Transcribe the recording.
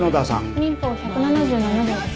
民法１７７条です。